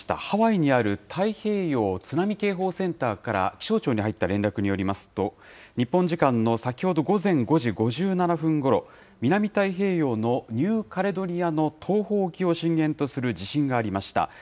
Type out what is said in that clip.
ハワイにある太平洋津波警報センターから気象庁に入った連絡によりますと、日本時間の先ほど午前５時５７分ごろ、南太平洋のニューカレドニアの東方沖を震源とする地震がありました。